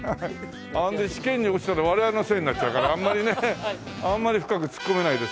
あれで試験に落ちたら我々のせいになっちゃうからあんまりねあんまり深く突っ込めないですけども。